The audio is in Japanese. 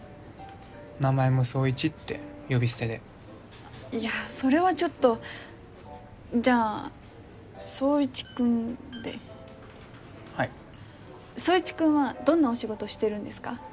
名前も宗一って呼び捨てでいやそれはちょっとじゃあ宗一君ではい宗一君はどんなお仕事してるんですか？